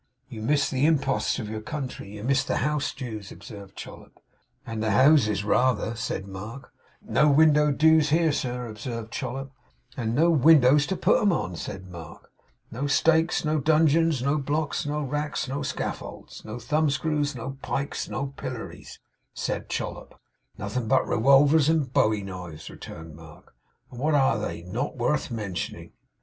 'You miss the imposts of your country. You miss the house dues?' observed Chollop. 'And the houses rather,' said Mark. 'No window dues here, sir,' observed Chollop. 'And no windows to put 'em on,' said Mark. 'No stakes, no dungeons, no blocks, no racks, no scaffolds, no thumbscrews, no pikes, no pillories,' said Chollop. 'Nothing but rewolwers and bowie knives,' returned Mark. 'And what are they? Not worth mentioning!